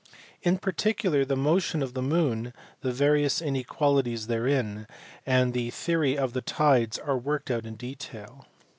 In particular the motion of the moon, the various inequalities therein, and the theory of the tides are worked out in detail.